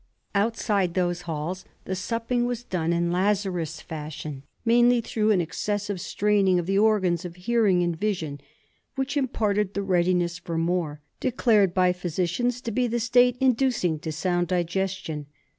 Outside those halls the supping was done in Lazarus fashion, mainly through an excessive straining of the organs of hearing and vision, which imparted the readiness for more, declared by physicians to be the state inducing to sound digestion.